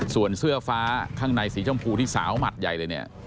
ส่วนเสื้อฟ้าข้างในสีชมพูที่สาวหมัดใหญ่เลยเนี่ย